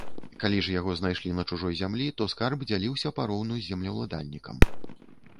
Калі ж яго знайшлі на чужой зямлі, то скарб дзяліўся пароўну з землеўладальнікам.